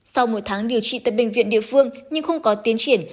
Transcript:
sau một tháng điều trị tại bệnh viện địa phương nhưng không có tiến triển